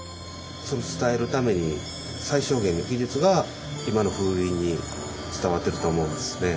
それを伝えるために最小限の技術が今の風鈴に伝わってると思うんですね。